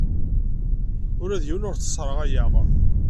Ula d yiwen ur t-sserɣayeɣ.